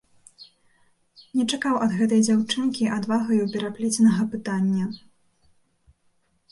Не чакаў ад гэтай дзяўчынкі адвагаю пераплеценага пытання.